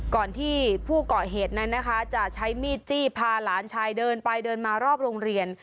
ก่อนที่ผู้ก่อเหตุนั้นนะคะจะใช้มีดจี้พาหลานชายเดินไปเดินมารอบโรงเรียน